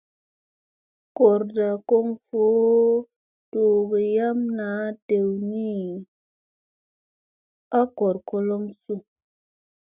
Goorda kon voo doogo yam naa dew doyni a goor kolom su ?